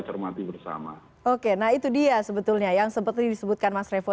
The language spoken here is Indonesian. cermati bersama oke nah itu dia sebetulnya yang seperti disebutkan mas revo